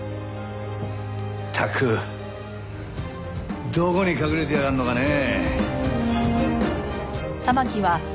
ったくどこに隠れてやがんのかねえ。